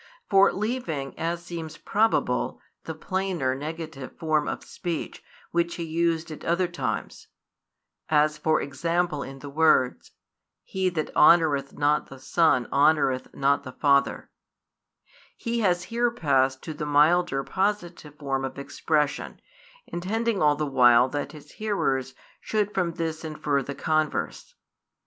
For leaving, as seems probable, the plainer [negative] form of speech, which He used at other times, as for example in the words: He that honoureth not the Son honoureth not the Father, He has here passed to the milder [positive] form of expression, intending all the while that His hearers should from this infer the converse.